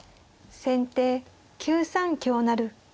先手９三香成。